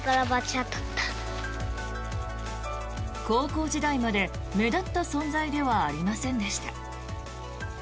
高校時代まで目立った存在ではありませんでした。